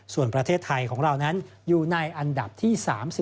ส่วนประเทศไทยของเรานั้นอยู่ในอันดับที่๓๔